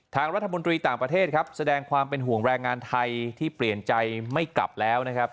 ทางรัฐมนตรีต่างประเทศครับแสดงความเป็นห่วงแรงงานไทยที่เปลี่ยนใจไม่กลับแล้วนะครับ